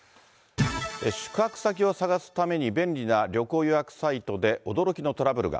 宿泊先を探すために便利な旅行予約サイトで驚きのトラブルが。